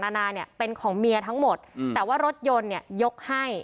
นานาเนี่ยเป็นของเมียทั้งหมดแต่ว่ารถยนต์เนี่ยยกให้